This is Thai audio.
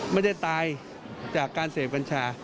ไม่ได้ตายจากการเสพกัญชา